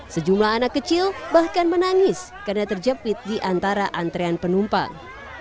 sejumlah anak kecil bahkan menangis karena terjepit di antara antrean penumpang